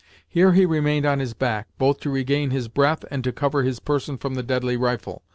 Here he remained on his back, both to regain his breath and to cover his person from the deadly rifle.